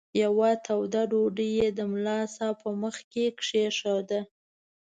یوه توده ډوډۍ یې د ملا صاحب په مخ کې کښېښوده.